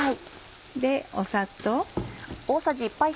砂糖。